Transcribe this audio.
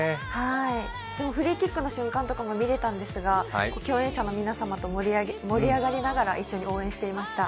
でも、フリーキックの瞬間とかも見れたんですが、共演者の皆様と盛り上がりながら一緒に応援しました。